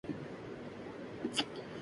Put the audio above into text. میں اسے بلاوں گا